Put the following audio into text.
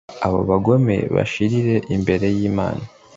abo bagome bashirire imbere y'imana